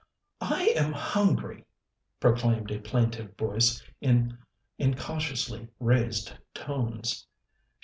"I am hungry," proclaimed a plaintive voice in incautiously raised tones.